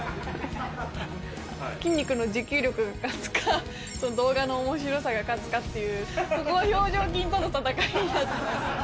筋肉の持久力を出すか、その動画のおもしろさが勝つかっていう、そこは表情筋との戦いになってます。